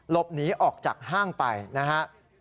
หลบหนีออกจากห้างไปนะครับ